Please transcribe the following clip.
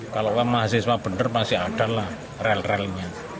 kalau mahasiswa benar pasti ada lah rel relnya